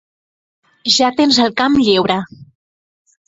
Ja tens el camp lliure.